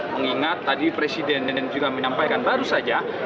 mengingat tadi presiden yang juga menyampaikan baru saja